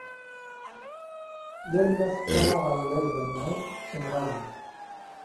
yal ma teččar aγerbal d aman ttenγalen-d